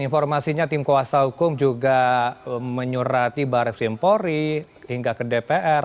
informasinya tim kuasa hukum juga menyurati baris krimpori hingga ke dpr